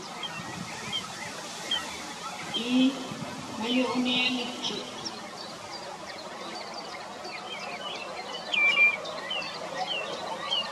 Ii, mayuġniaŋichut.